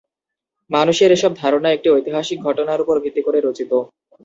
মানুষের এসব ধারণা একটি ঐতিহাসিক ঘটনার উপর ভিত্তি করে রচিত।